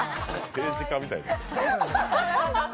政治家みたいですね。